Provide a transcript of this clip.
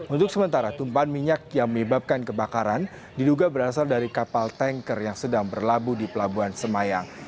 untuk sementara tumpahan minyak yang menyebabkan kebakaran diduga berasal dari kapal tanker yang sedang berlabuh di pelabuhan semayang